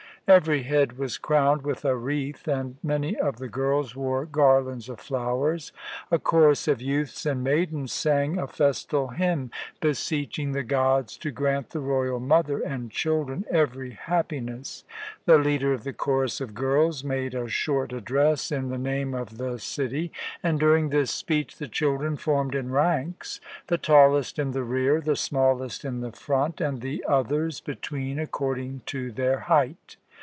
Every head was crowned with a wreath, and many of the girls wore garlands of flowers. A chorus of youths and maidens sang a festal hymn, beseeching the gods to grant the royal mother and children every happiness; the leader of the chorus of girls made a short address in the name of the city, and during this speech the children formed in ranks, the tallest in the rear, the smallest in the front, and the others between according to their height.